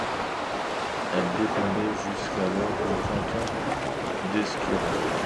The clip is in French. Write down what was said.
Elle dépendait jusqu'alors du canton d'Escurolles.